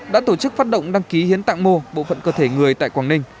đã tổ chức phát động đăng ký hiến tặng mô bộ phận cơ thể người tại quảng ninh